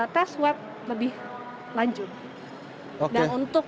tes web lebih lanjut